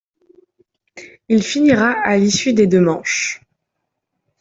Il finira à l'issue des deux manches.